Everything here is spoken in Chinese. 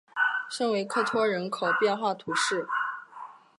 圣维克托人口变化图示